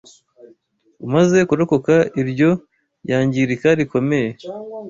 Umaze kurokoka iryo yangirika rikomeye